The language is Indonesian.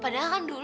padahal kan dulu